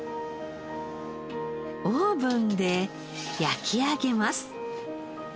オーブンで焼き上げます。